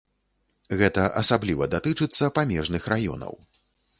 Гэта асабліва датычыцца памежных раёнаў.